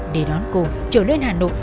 để đón cô trở lên hà nội